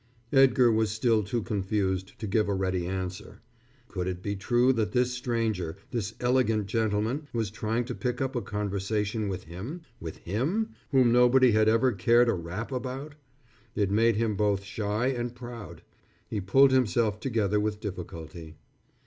Edgar was still too confused to give a ready answer. Could it be true that this stranger, this elegant gentleman, was trying to pick up a conversation with him with him, whom nobody had ever before cared a rap about? It made him both shy and proud. He pulled himself together with difficulty.